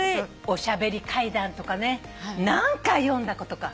『おしゃべり階段』とかね何回読んだことか。